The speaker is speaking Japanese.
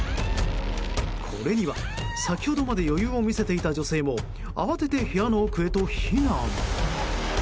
これには、先ほどまで余裕を見せていた女性も慌てて部屋の奥へと避難。